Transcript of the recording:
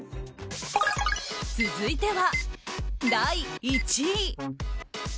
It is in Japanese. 続いては第１位。